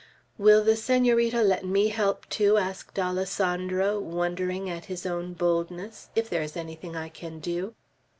"Will the Senorita let me help, too," asked Alessandro, wondering at his own boldness, "if there is anything I can do?"